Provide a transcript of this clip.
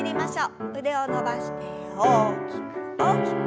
腕を伸ばして大きく大きく。